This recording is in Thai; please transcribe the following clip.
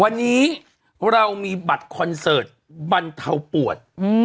วันนี้เรามีบัตรคอนเสิร์ตบรรเทาปวด